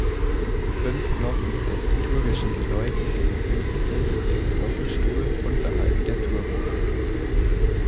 Die fünf Glocken des liturgischen Geläuts befinden sich im Glockenstuhl unterhalb der Turmuhr.